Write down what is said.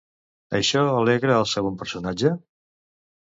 Això alegra el segon personatge?